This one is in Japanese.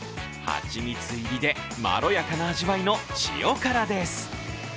蜂蜜入りでまろやかな味わいの塩辛です。